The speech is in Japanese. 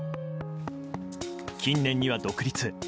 近年には独立。